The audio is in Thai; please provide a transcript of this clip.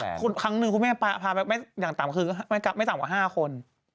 ครั้งหนึ่งคุณแม่พาไปอย่างต่ำคือไม่ต่ำกว่า๕คน